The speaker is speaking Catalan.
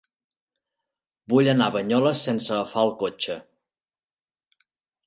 Vull anar a Banyoles sense agafar el cotxe.